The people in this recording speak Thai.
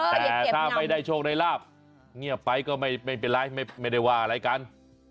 แต่ถ้าไม่ได้โชคได้ลาบเงียบไปก็ไม่เป็นไรไม่ได้ว่าอะไรกัน